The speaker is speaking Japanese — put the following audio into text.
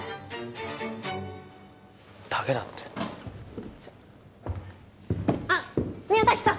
だけだってちょっあっ宮崎さん